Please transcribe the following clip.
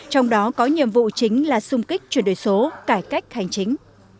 trong đó có nhiệm vụ chính là xung kích chuyển đổi số cải cách hành chính